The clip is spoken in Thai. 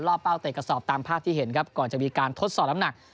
เป้าเตะกระสอบตามภาพที่เห็นครับก่อนจะมีการทดสอบน้ำหนัก